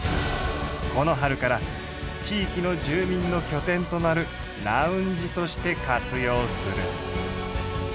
この春から地域の住民の拠点となるラウンジとして活用する。